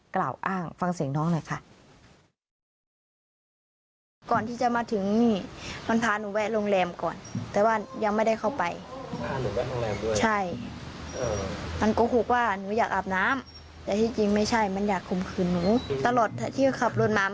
กล่าวอ้างฟังเสียงน้องหน่อยค่ะ